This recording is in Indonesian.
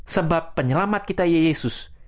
sebab penyelamat kita ialah yesus